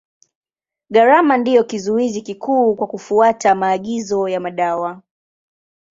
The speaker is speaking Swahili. Gharama ndio kizuizi kikuu kwa kufuata maagizo ya madawa.